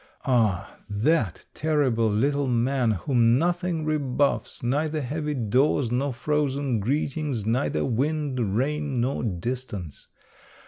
Ah ! that terrible little man, whom nothing rebuffs, neither heavy doors nor frozen greetings, neither wind, rain, nor distance.